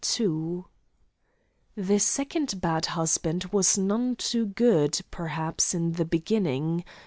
II The second bad husband was none too good, perhaps, in the beginning.